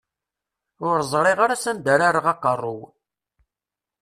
Ur ẓriɣ ara s anda ara rreɣ aqerru-w.